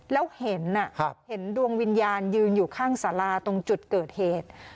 แล้วเห็นเห็นดวงวิญญาณยืนอยู่ข้างสาราตรงจุดเกิดเหตุ